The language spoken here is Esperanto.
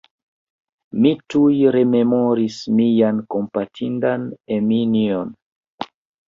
Mi tuj rememoris mian kompatindan Eminjon.